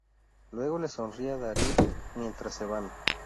Luego le sonríe a Daryl mientras se van.